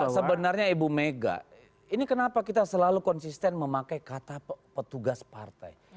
sebenarnya ibu mega ini kenapa kita selalu konsisten memakai kata petugas partai